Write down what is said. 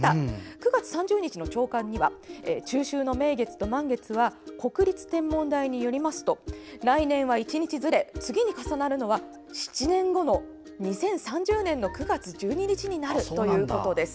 ９月３０日の朝刊には中秋の名月と満月は国立天文台によりますと来年は１日ずれ、次に重なるのは７年後の２０３０年の９月１２日になるということです。